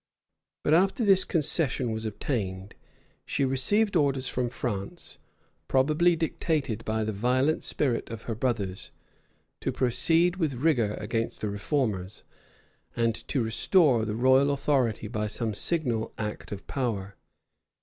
* Knox, p. 121. Knox, p. 123. Keith, p. 78, 81, 82. But after this concession was obtained, she received orders from France, probably dictated by the violent spirit of her brothers, to proceed with rigor against the reformers, and to restore the royal authority by some signal act of power.